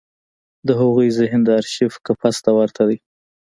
د هغوی ذهن د ارشیف قفس ته ورته دی.